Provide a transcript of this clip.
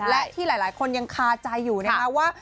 และที่หลายคนยังคาใจอยู่นะคะว่า